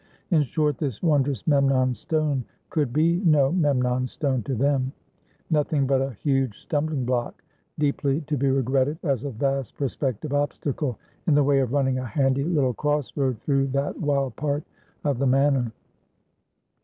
In short, this wondrous Memnon Stone could be no Memnon Stone to them; nothing but a huge stumbling block, deeply to be regretted as a vast prospective obstacle in the way of running a handy little cross road through that wild part of the Manor.